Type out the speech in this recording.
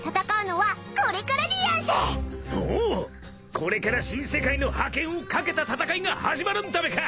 これから新世界の覇権をかけた戦いが始まるんだべか。